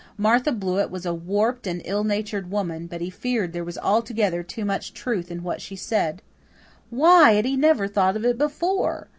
Martha Blewett was a warped and ill natured woman, but he feared there was altogether too much truth in what she said. Why had he never thought of it before?